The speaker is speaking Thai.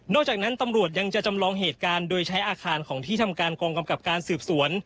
จากนั้นตำรวจยังจะจำลองเหตุการณ์โดยใช้อาคารของที่ทำการกองกำกับการสืบสวน